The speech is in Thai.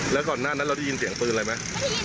แล้วก่อนหน้านั้นเราได้ยินเสียงปืนอะไรไหม